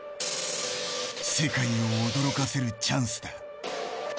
世界を驚かせるチャンスだ。